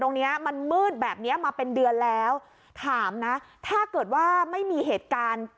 ตรงเนี้ยมันมืดแบบเนี้ยมาเป็นเดือนแล้วถามนะถ้าเกิดว่าไม่มีเหตุการณ์